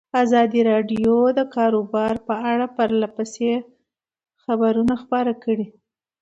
ازادي راډیو د د کار بازار په اړه پرله پسې خبرونه خپاره کړي.